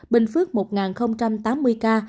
bình phước một tám mươi ca